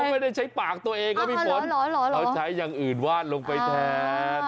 ไม่ได้ใช้ปากตัวเองนะพี่ฝนเราใช้อย่างอื่นวาดลงไปแทน